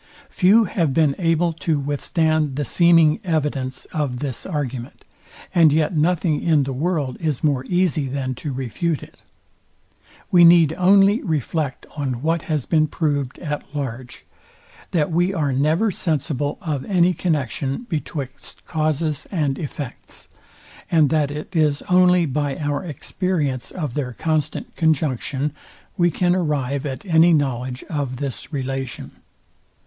Few have been able to withstand the seeming evidence of this argument; and yet nothing in the world is more easy than to refute it. We need only reflect on what has been proved at large, that we are never sensible of any connexion betwixt causes and effects, and that it is only by our experience of their constant conjunction, we can arrive at any knowledge of this relation.